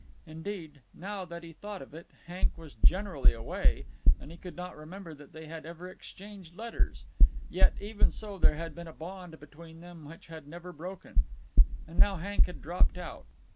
Indeed, now that he thought of it, Hank was generally away; and he could not remember that they had ever exchanged letters. Yet even so there had been a bond between them which had never broken. And now Hank had dropped out.